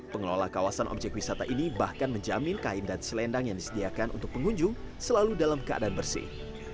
pengelola kawasan objek wisata ini bahkan menjamin kain dan selendang yang disediakan untuk pengunjung selalu dalam keadaan bersih